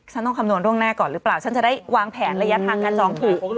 ฉันต้องคำนวณล่วงหน้าก่อนหรือเปล่าฉันจะได้วางแผนระยะทางการจองถูก